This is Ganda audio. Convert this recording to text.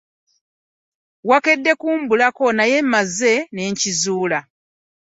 Wakedde kumbulako naye mmaze ne nkuzuula.